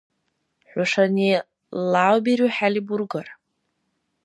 ХӀушани лявбирухӀели бургар.